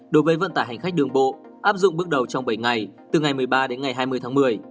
đối với vận tải hành khách đường bộ áp dụng bước đầu trong bảy ngày từ ngày một mươi ba đến ngày hai mươi tháng một mươi